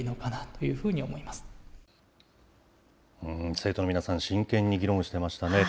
生徒の皆さん、真剣に議論してましたね。